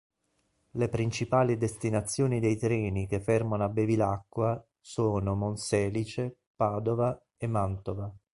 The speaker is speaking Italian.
Le principali destinazioni dei treni che fermano a Bevilacqua sono Monselice, Padova e Mantova.